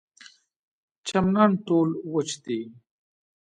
چمنان ټول وچ دي.